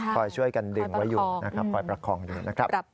คอยช่วยกันดึงไว้อยู่นะครับคอยประคองอยู่นะครับ